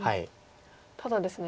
ただですね